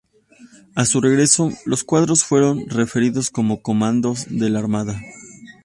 A su regreso, los cuadros fueron referidos como Comandos de la Armada.